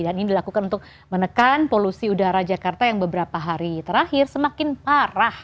ini dilakukan untuk menekan polusi udara jakarta yang beberapa hari terakhir semakin parah